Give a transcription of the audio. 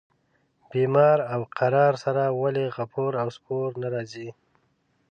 بیمار او قرار سره ولي غفور او سپور نه راځي.